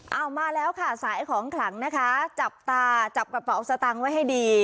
เอามาแล้วค่ะสายของขลังนะคะจับตาจับกระเป๋าสตางค์ไว้ให้ดี